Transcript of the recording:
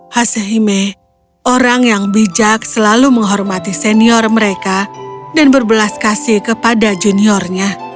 hasehime orang yang bijak selalu menghormati senior mereka dan berbelas kasih kepada juniornya